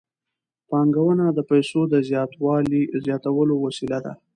پانګونه د پیسو د زیاتولو وسیله ده.